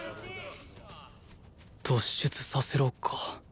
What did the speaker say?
「突出させろ」か